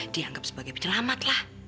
dianggap sebagai penyelamat lah